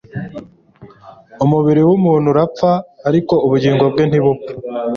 Umubiri wumuntu urapfa, ariko ubugingo bwe ntibupfa.